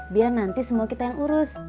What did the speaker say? biar nanti semua kita yang urus